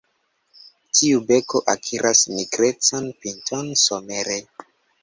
Tiu beko akiras nigrecan pinton somere.